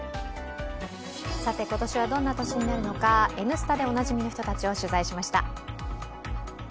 今年はどんな年になるのか「Ｎスタ」でおなじみのあの人たちを取材しました。